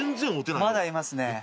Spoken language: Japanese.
まだいますね。